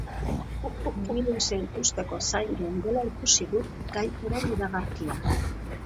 Mihiluze ikusteko zain geundela ikusi dut Gaitu-ren iragarkia